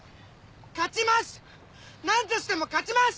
勝ちます